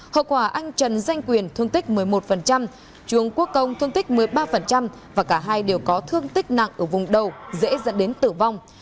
hậu quả anh trần danh quyền thương tích một mươi một trường quốc công thương tích một mươi ba và cả hai đều có thương tích nặng ở vùng đầu dễ dẫn đến tử vong